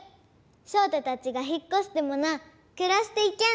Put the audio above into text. ショウタたちが引っこしてもなくらしていけんで。